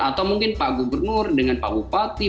atau mungkin pak gubernur dengan pak bupati